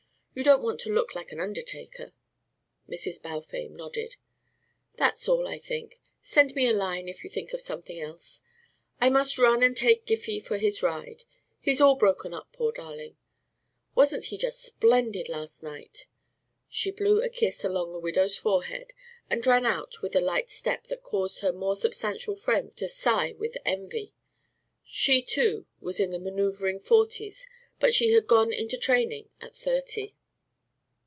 You don't want to look like an undertaker." Mrs. Balfame nodded. "That's all, I think. Send me a line if you think of something else. I must run and take Giffy for his ride. He's all broken up, poor darling. Wasn't he just splendid last night?" She blew a kiss along the widow's forehead and ran out with a light step that caused her more substantial friends to sigh with envy. She, too, was in the manoeuvring forties, but she had gone into training at thirty.